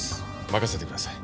任せてください。